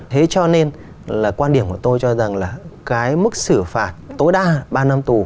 thế cho nên là quan điểm của tôi cho rằng là cái mức xử phạt tối đa ba năm tù